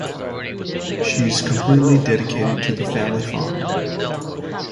She is completely dedicated to the family farm.